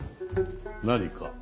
何か？